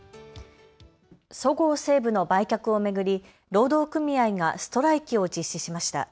そごう・西武の売却を巡り労働組合がストライキを実施しました。